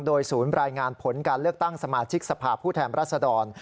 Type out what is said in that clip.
โดยศูนย์รายงานผลการเลือกตั้งสมาชิกสภาพผู้แทนรัศดร